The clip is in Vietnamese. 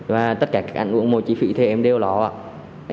và tất cả các ảnh hưởng mô trí phị thì em đều ló ạ